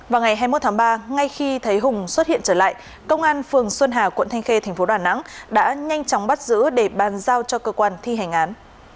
vào ngày hai mươi một tháng ba ngay khi thấy hùng xuất hiện trở lại công an phường xuân hà quận thanh khê tp đà nẵng đã nhanh chóng bắt giữ để bàn giao cho cơ quan thi hành án